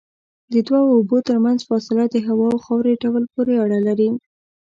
د دوو اوبو ترمنځ فاصله د هوا او خاورې ډول پورې اړه لري.